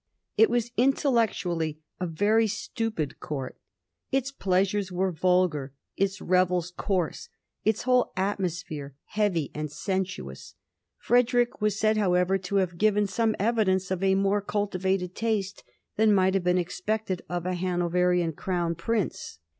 It was intellectually a very stupid Court. Its pleasures were vulgar, its revels coarse, its whole atmosphere heavy and sensuous. Frederick was said, however, to have given some evidence of a more cultivated taste than might have been expected of a Hanoverian Crown Prince.